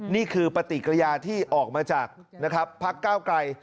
นี่คือปฏิกิริยาที่ออกมาจากพักเก้าไกล